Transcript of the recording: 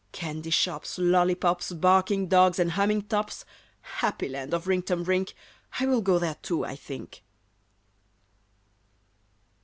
Candy shops, lollipops, Barking dogs and humming tops, Happy land of Rinktum Rink! I will go there, too, I think.